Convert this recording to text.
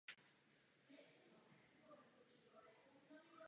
Na území obce se nachází několik kulturních památek.